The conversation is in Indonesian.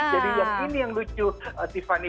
jadi yang ini yang lucu tiffany